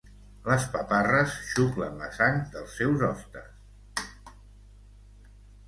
Les paparres xuclen la sang dels seus hostes.